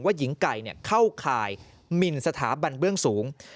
หญิงไก่เข้าข่ายหมินสถาบันเบื้องสูง